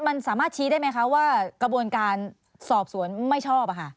มันสามารถชี้ได้ไหมคะว่ากระบวนการสอบสวนไม่ชอบ